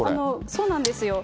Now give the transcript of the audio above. そうなんですよ。